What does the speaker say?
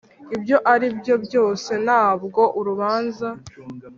Ibyo ari byo byose ntabwo urubanza